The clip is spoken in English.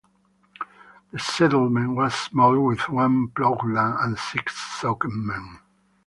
The settlement was small with one ploughland and six sokemen.